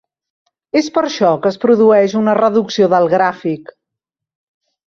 És per això que es produeix una reducció del gràfic.